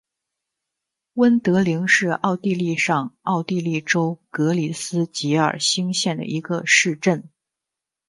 温德灵是奥地利上奥地利州格里斯基尔兴县的一个市镇。